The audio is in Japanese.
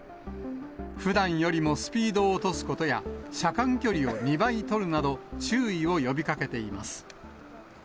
ふだんよりもスピードを落とすことや、車間距離を２倍取るなど、注意を呼びかけています。